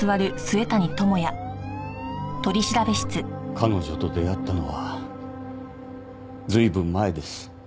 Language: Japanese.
彼女と出会ったのは随分前です。